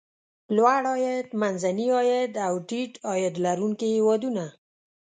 لوړ عاید، منځني عاید او ټیټ عاید لرونکي هېوادونه.